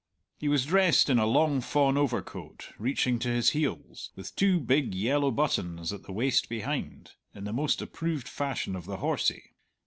He was dressed in a long fawn overcoat reaching to his heels, with two big yellow buttons at the waist behind, in the most approved fashion of the horsy.